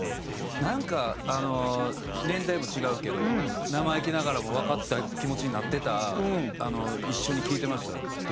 なんか年代も違うけど生意気ながらもわかった気持ちになってた一緒に聴いてました同級生と。